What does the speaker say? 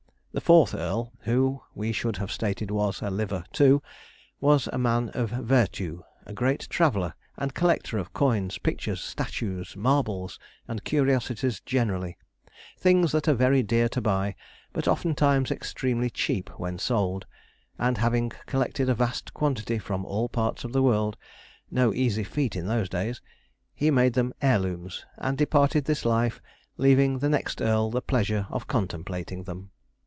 The fourth earl, who, we should have stated, was a 'liver' too, was a man of vertù a great traveller and collector of coins, pictures, statues, marbles, and curiosities generally things that are very dear to buy, but oftentimes extremely cheap when sold; and, having collected a vast quantity from all parts of the world (no easy feat in those days), he made them heirlooms, and departed this life, leaving the next earl the pleasure of contemplating them.